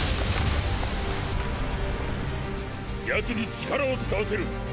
奴に力を使わせる！